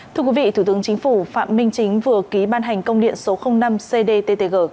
thưa quý vị thủ tướng chính phủ phạm minh chính vừa ký ban hành công điện số năm cdttg